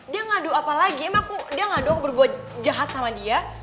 dia ngadu apa lagi emang dia ngadu aku berbuat jahat sama dia